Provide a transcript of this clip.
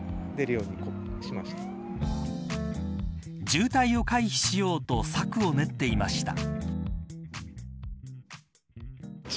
渋滞を回避しようと策を練っていました。